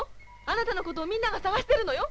あなたのことをみんなが捜してるのよ。